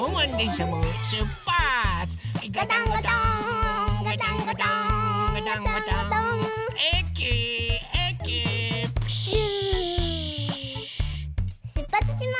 しゅっぱつします。